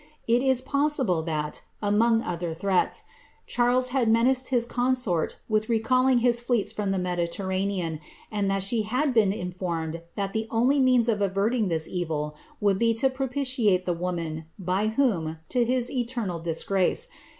It is possible that, among other arles had menaced his consort with recalling his fleets from ranean, and that she had been informed that the only means of s evil would be to propitiate the woman by whom, to his eter^ ' Clarendon.